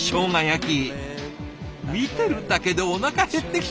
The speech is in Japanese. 見てるだけでおなか減ってきちゃう。